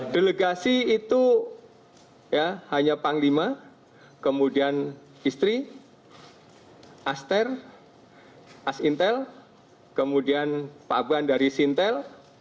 delegasi itu ya hanya panglima kemudian istri aster asintel kemudian pak abban dari sintel